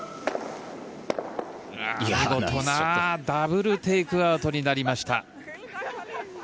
ダブル・テイクアウトになりました。